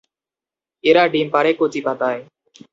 এরা ডিম পাড়ে কচি পাতায়।